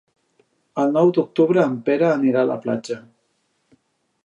El nou d'octubre en Pere anirà a la platja.